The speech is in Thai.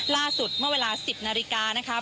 ล่าสุดเมื่อเวลา๑๐นาฬิกานะคะ